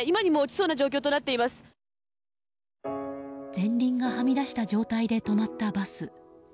前輪がはみ出した状態で止まったバス。